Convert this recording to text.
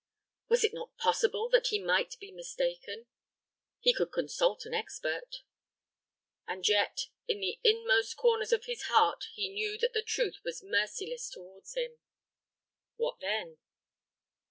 Was it not possible that he might be mistaken? He could consult an expert. And yet in the inmost corners of his heart he knew that the truth was merciless towards him. What then?